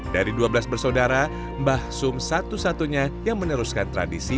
dari dua belas bersaudara mbah sum satu satunya yang meneruskan tradisi